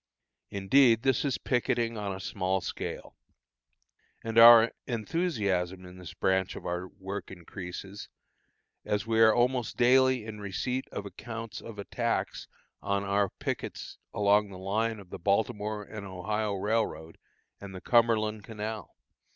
Indeed, this is picketing on a small scale. And our enthusiasm in this branch of our work increases, as we are almost daily in receipt of accounts of attacks on our pickets along the line of the Baltimore and Ohio Railroad and the Cumberland Canal.